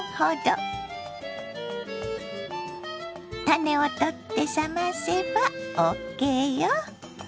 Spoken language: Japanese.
種を取って冷ませばＯＫよ。